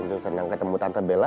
kenzo tenang ketemu tante bella